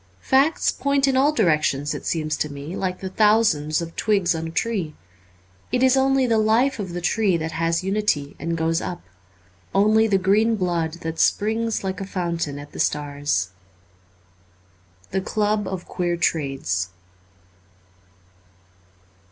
Facts point in all directions, it seems to me, like the thousands of twigs on a tree. It is only the life of the tree that has unity and goes up — only the green blood that springs, like a fountain, at the stars. ' The Club of Queer Trades.